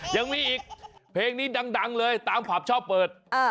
ยังมีอีกเพลงนี้ดังเลยตามผับชอบเปิด